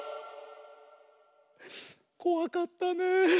こわかったねえ。